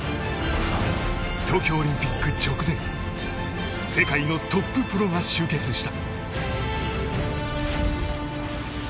東京オリンピック直前世界のトッププロが終結した。